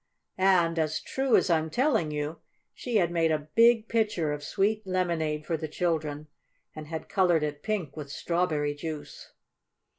And, as true as I'm telling you, she had made a big pitcher of sweet lemonade for the children, and had colored it pink with strawberry juice.